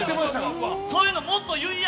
そういうの、もっと言いや！